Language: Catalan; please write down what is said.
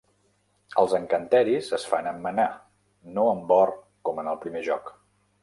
Els encanteris es fan amb mannà, no amb or com en el primer joc.